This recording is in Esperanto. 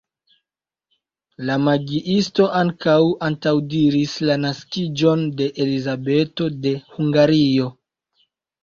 La magiisto ankaŭ antaŭdiris la naskiĝon de Elizabeto de Hungario.